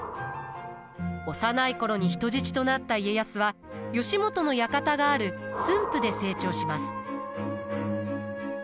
幼い頃に人質となった家康は義元の館がある駿府で成長します。